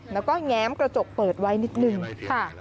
แล้วก็แง้มกระจกเปิดไว้นิดนึงค่ะ